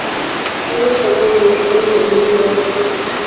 Kilele cha juu katika Ujerumani ni mlima wa Zugspitze